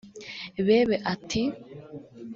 Bebe ati